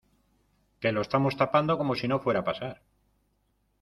que lo estamos tapando como si no fuera a pasar